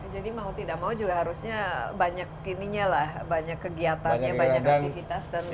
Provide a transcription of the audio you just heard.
jadi mau tidak mau juga harusnya banyak kegiatannya banyak aktivitas dan